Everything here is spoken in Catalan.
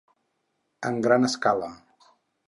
En gran escala.